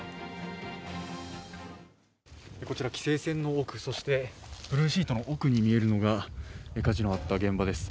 こちら、規制線の奥、ブルーシートの奥に見えるのが火事のあった現場です。